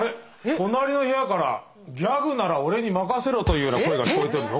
隣の部屋から「ギャグなら俺に任せろ」というような声が聞こえとるぞこれ。